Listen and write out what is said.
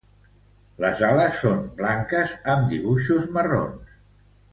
Les ales són blanques amb dibuixos marrons.